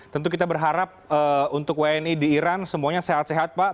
tentu kita berharap untuk wni di iran semuanya sehat sehat pak